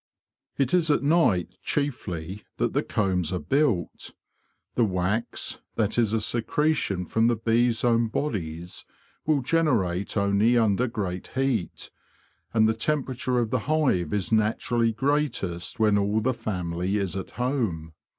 It is at night chiefly that the combs are built. The wax, that is a secretion from the bees' own bodies, will generate only under great heat, and the temperature of the hive is naturally greatest when all the family is at home.